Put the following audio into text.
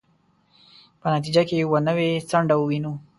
په نتیجه کې یوه نوې څنډه ووینو.